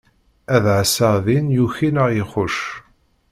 Ad ɛasseɣ din yuki naɣ yexxuc.